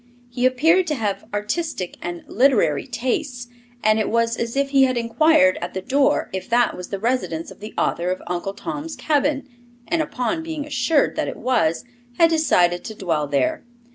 He appeared to have artistic and literary tastes, and it was as if he had inquired at the door if that was the residence of the author of Uncle Tom's Cabin, and, upon being assured that it was, had decided to dwell there.